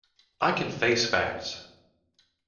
I can face facts.